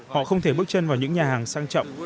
họ không thể bước chân vào những nhà hàng sang trọng